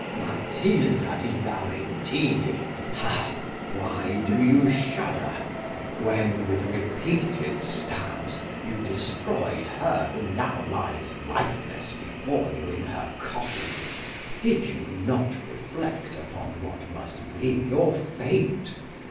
"Matilda di Laurentini! Hah! why do you shudder?. When, with repeated stabs, you destroyed her who now lies lifeless before you in her coffin, did you not reflect upon what must be your fate?